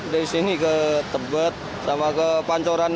dari sini ke tebet sama ke pancoran